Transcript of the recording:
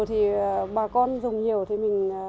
thì bà con dùng nhiều thì mình